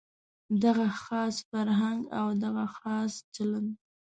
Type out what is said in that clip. دغه خاص فرهنګ او دغه خاص چلند.